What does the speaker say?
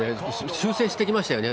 修正してきましたよね。